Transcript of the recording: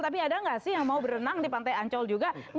tapi ada nggak sih yang mau berenang di pantai ancol juga